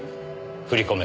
振り込め